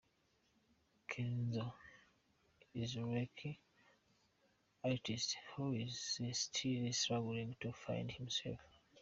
Kenzo is a lucky artiste who is still struggling to find himself”.